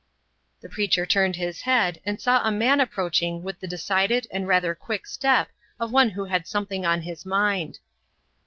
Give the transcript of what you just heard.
The preacher turned his head and saw a man approaching with the decided and rather quick step of one who had something on his mind.